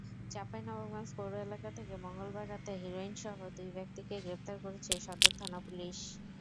চাঁপাইনবাবগঞ্জ পৌর এলাকা থেকে মঙ্গলবার রাতে হেরোইনসহ দুই ব্যক্তিকে গ্রেপ্তার করেছে সদর থানা-পুলিশ।